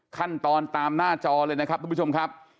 ขั้นตอนตามหน้าจอเลยนะครับทุกผู้ชมครับ